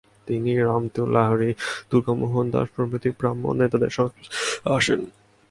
তিনি রামতনু লাহিড়ী, দুর্গামোহন দাস প্রভৃতি ব্রাহ্ম নেতাদের সংস্পর্শে আসেন।